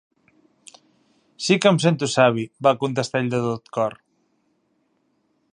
"Sí que em sento savi", va contestar ell de tot cor.